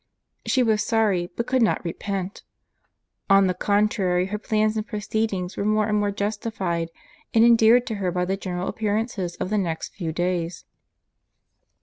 She was sorry, but could not repent. On the contrary, her plans and proceedings were more and more justified and endeared to her by the general appearances of the next few days.